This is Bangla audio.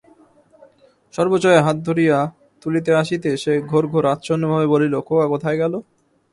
সর্বজয়া হাত ধরিয়া তুলিতে আসিতে সে ঘোর-ঘোর আচ্ছন্নভাবে বলিল, খোকা কোথায় গেল?